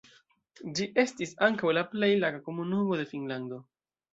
Ĝi estis ankaŭ la plej laga komunumo de Finnlando.